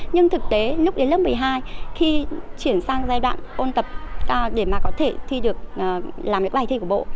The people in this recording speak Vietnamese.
nhưng thực tế lúc đến lớp một mươi hai khi chuyển sang giai đoạn ôn tập cao để có thể làm được bài thi của bộ